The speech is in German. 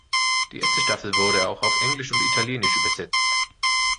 Die erste Staffel wurde auch auf Englisch und Italienisch übersetzt.